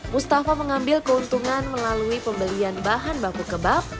mustafa mengambil keuntungan melalui pembelian bahan baku kebab